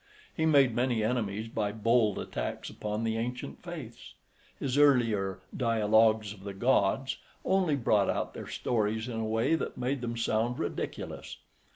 He made many enemies by bold attacks upon the ancient faiths. His earlier "Dialogues of the Gods" only brought out their stories in a way that made them sound ridiculous.